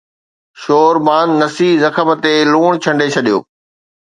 شور پاند نصيح زخم تي لوڻ ڇنڊي ڇڏيو